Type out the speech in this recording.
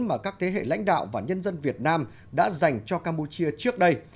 mà các thế hệ lãnh đạo và nhân dân việt nam đã dành cho campuchia trước đây